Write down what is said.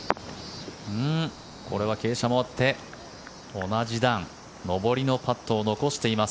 これは傾斜もあって同じ段上りのパットを残しています。